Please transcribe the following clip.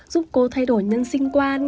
giúp cô thay đổi nhân sinh quan